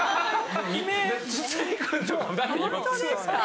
ホントですか？